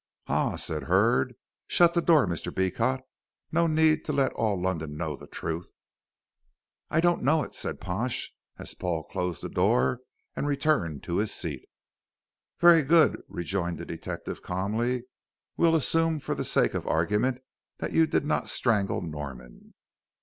"Ah," said Hurd, "shut the door, Mr. Beecot. No need to let all London know the truth." "I don't know it," said Pash, as Paul closed the door and returned to his seat. "Very good," rejoined the detective, calmly, "we'll assume for the sake of argument that you did not strangle Norman."